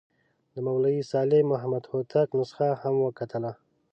د مولوي صالح محمد هوتک نسخه هم وکتله.